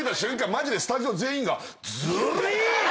マジでスタジオ全員が。